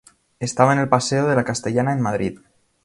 Estaba en el Paseo de la Castellana en Madrid.